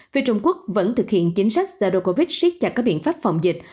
phía trung quốc vẫn thực hiện chính sách zerokovic siết chặt các biện pháp phòng dịch